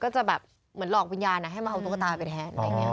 ก็จะแบบเหมือนหลอกวิญญาณนะให้มาเอาตัวกตาไปแทน